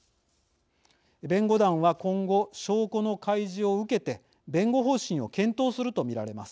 弁護団は今後証拠の開示を受けて弁護方針を検討すると見られます。